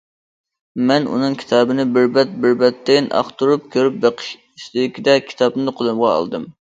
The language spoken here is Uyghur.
مەن ئۇنىڭ كىتابىنى بىر بەت بىر بەتتىن ئاقتۇرۇپ كۆرۈپ بېقىش ئىستىكىدە، كىتابىنى قولۇمغا ئالدىم.